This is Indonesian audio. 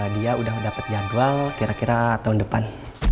dia udah dapat jadwal kira kira tahun depan